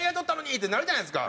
ってなるじゃないですか。